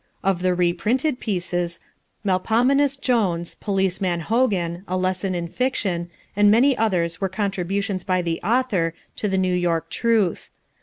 Of the re printed pieces, "Melpomenus Jones," "Policeman Hogan," "A Lesson in Fiction," and many others were contributions by the author to the New York Truth.